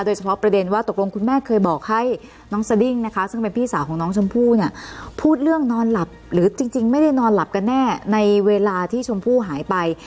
โดยเฉพาะประเด็นว่าตกลงคุณแม่เคยบอกให้น้องสดิ้งนะคะซึ่งเป็นพี่สาวของน้องชมพู่เนี่ยพูดเรื่องนอนหลับหรือจริงไม่ได้นอนหลับกันแน่ในเวลาที่ชมพู่หายไป